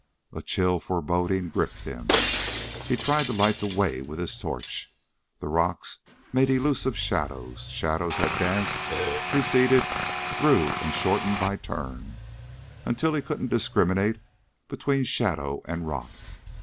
A chill foreboding gripped him. He tried to light the way with his torch. The rocks made elusive shadows shadows that danced, receded, grew and shortened by turn, until he couldn't discriminate between shadow and rock.